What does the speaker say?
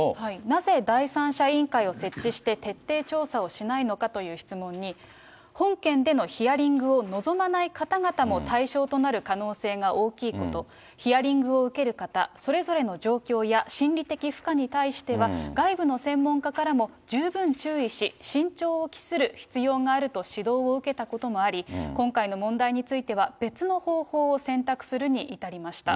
なぜ第三者委員会を設置して、徹底調査をしないのかという質問に、本件でのヒアリングを望まない方々も対象となる可能性が大きいこと、ヒアリングを受ける方、それぞれの状況や心理的負荷に対しては、外部の専門家からも十分注意し、慎重を期する必要があると指導を受けたこともあり、今回の問題については、別の方法を選択するに至りました。